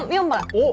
おっ！